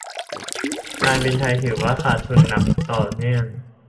การบินไทยก็ถือว่าขาดทุนหนักต่อเนื่อง